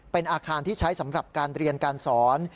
เป็นอาคารที่ใช้สำหรับการเรียนการสอน